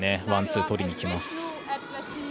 ワン、ツー、とりにきます。